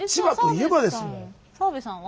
澤部さんは？